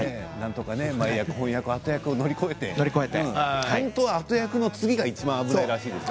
前厄、本厄、後厄を乗り越えて本当は後厄の次が危ないらしいですよ。